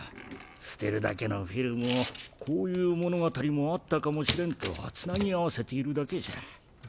すてるだけのフィルムをこういうものがたりもあったかもしれんとつなぎあわせているだけじゃ。